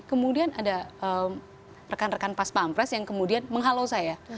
kemudian ada rekan rekan pas pampres yang kemudian menghalau saya